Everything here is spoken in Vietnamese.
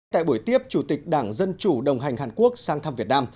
tại buổi tiếp chủ tịch đảng dân chủ đồng hành hàn quốc sang thăm việt nam